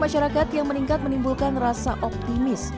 masyarakat yang meningkat menimbulkan rasa optimis